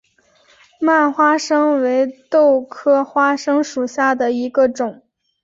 蔓花生为豆科花生属下的一个种。